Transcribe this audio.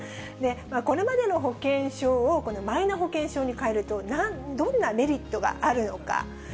これまでの保険証をこのマイナ保険証に変えるとどんなメリットがあるのか。